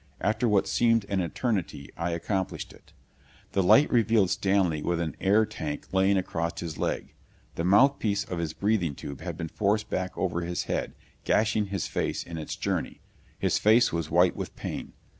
After what seemed an eternity I accomplished it. The light revealed Stanley with an air tank lying across his leg. The mouthpiece of his breathing tube had been forced back over his head, gashing his face in its journey. His face was white with pain.